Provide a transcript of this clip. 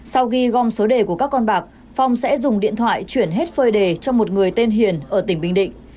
sau khi gom số đề của các con bạc phong sẽ dùng điện thoại chuyển hết phơi đề cho một người tên hiền ở tỉnh bình định